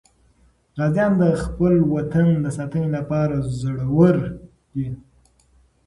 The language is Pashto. غازیان د خپل وطن د ساتنې لپاره زړور دي.